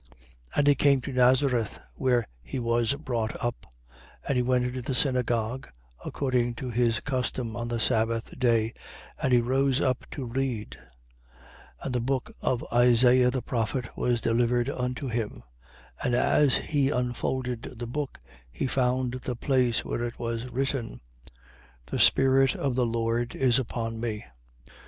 4:16. And he came to Nazareth, where he was brought up: and he went into the synagogue, according to his custom, on the sabbath day: and he rose up to read. 4:17. And the book of Isaias the prophet was delivered unto him. And as he unfolded the book, he found the place where it was written: 4:18. The spirit of the Lord is upon me.